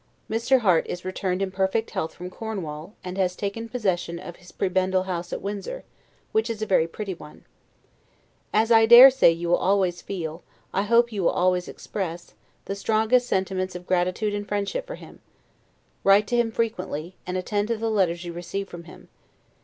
Mr. Harte is returned in perfect health from Cornwall, and has taken possession of his prebendal house at Windsor, which is a very pretty one. As I dare say you will always feel, I hope you will always express, the strongest sentiments of gratitude and friendship for him. Write to him frequently, and attend to the letters you receive from him.